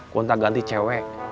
gua ntar ganti cewek